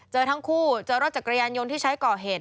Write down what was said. เจอทั้งคู่เจอรถจักรยานยนต์ที่ใช้ก่อเหตุ